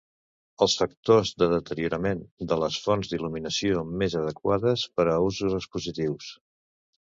Els factors de deteriorament de les fonts d'il·luminació més adequades per a usos expositius.